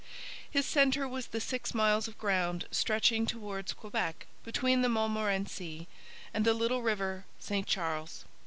His centre was the six miles of ground stretching towards Quebec between the Montmorency and the little river St Charles.